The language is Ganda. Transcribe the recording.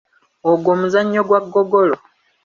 Ogwo muzannyo gwa ggogolo.